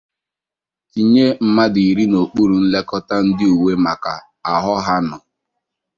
tinye mmadụ iri n'okpuru nlekọta ndị uwe maka ahọ ha nọ